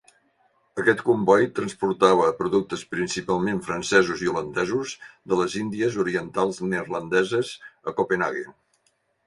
Aquest comboi transportava productes principalment francesos i holandesos de les Índies Orientals Neerlandeses a Copenhaguen.